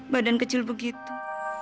badan kecil begitu